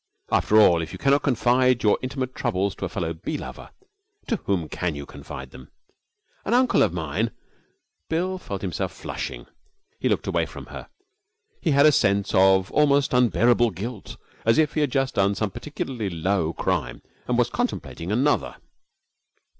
After all, if you cannot confide your intimate troubles to a fellow bee lover, to whom can you confide them? 'An uncle of mine ' Bill felt himself flushing. He looked away from her. He had a sense of almost unbearable guilt, as if he had just done some particularly low crime and was contemplating another.